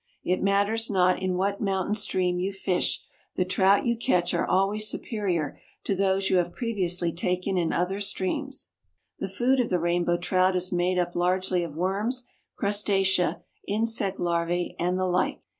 It matters not in what mountain stream you fish the trout you catch are always superior to those you have previously taken in other streams. The food of the Rainbow Trout is made up largely of worms, crustacea, insect larvae and the like.